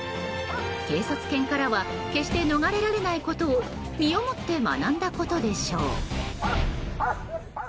警察犬からは決して逃れられないことを身をもって学んだことでしょう。